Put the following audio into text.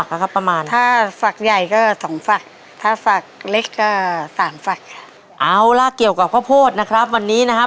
ขายเท่านั้น